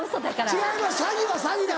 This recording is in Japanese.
違います